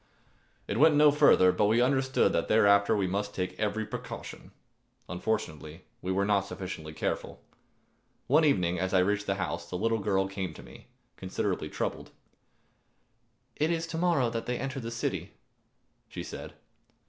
It went no farther, but we understood that thereafter we must take every precaution. Unfortunately we were not sufficiently careful. One evening as I reached the house, the little girl came to meet me, considerably troubled. "It is to morrow that they enter the city," she said.